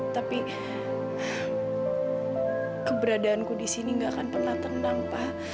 tapi keberadaanku di sini gak akan pernah tenang pak